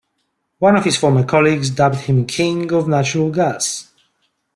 One of his former colleagues dubbed him king of natural gas.